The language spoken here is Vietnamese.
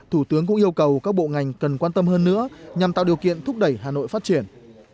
thủ tướng cũng yêu cầu các bộ ngành cần quan tâm hơn nữa nhằm tạo điều kiện thúc đẩy hà nội phát triển